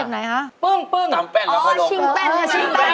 สเต็ปไหนครับทำแป้นแล้วพอลงหรือชิงแป้น